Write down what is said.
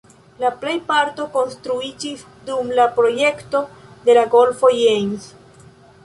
La plejparto konstruiĝis dum la projekto de la golfo James.